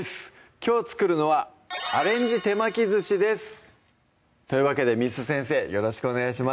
きょう作るのは「アレンジ手巻き寿司」ですというわけで簾先生よろしくお願いします